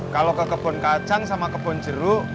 kalau ke kebun kacang sama kebun jeruk